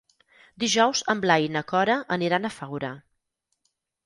Dijous en Blai i na Cora aniran a Faura.